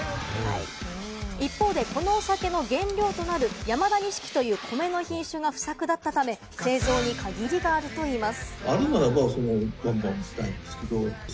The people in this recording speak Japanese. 一方で、このお酒の原料となる山田錦という米の品種が不作だったため、製造に限りがあるといいます。